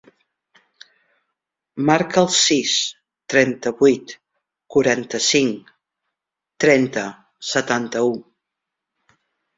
Marca el sis, trenta-vuit, quaranta-cinc, trenta, setanta-u.